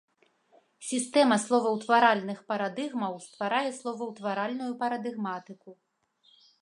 Сістэма словаўтваральных парадыгмаў стварае словаўтваральную парадыгматыку.